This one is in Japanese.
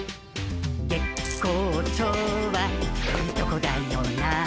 「月光町はいいとこだよな」